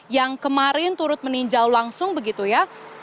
yang kemarin turut meninjau langsung begitu ya